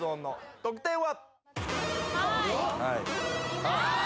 得点は？